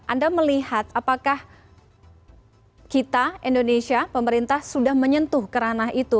anda melihat apakah kita indonesia pemerintah sudah menyentuh kerana itu